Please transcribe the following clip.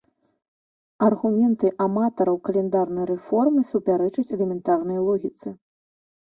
Аргументы аматараў каляндарнай рэформы супярэчаць элементарнай логіцы.